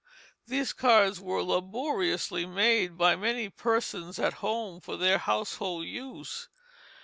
These cards were laboriously made by many persons at home, for their household use.